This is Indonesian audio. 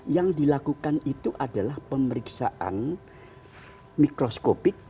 yang dilakukan itu adalah pemeriksaan mikroskopik